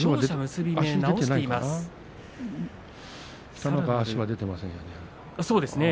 北の若、足は出ていませんね。